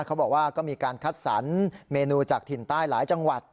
เขาบอกว่าก็มีการคัดสรรเมนูจากถิ่นใต้หลายจังหวัด